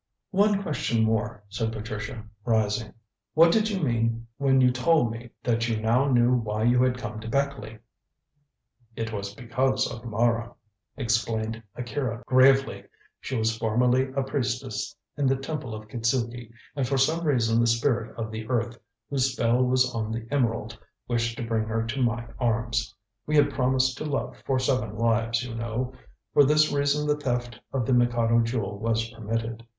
"One question more," said Patricia, rising. "What did you mean when you told me that you now knew why you had come to Beckleigh?" "It was because of Mara," explained Akira gravely. "She was formerly a priestess in the Temple of Kitzuki, and for some reason the Spirit of the Earth, whose spell was on the emerald, wished to bring her to my arms. We had promised to love for seven lives, you know. For this reason the theft of the Mikado Jewel was permitted.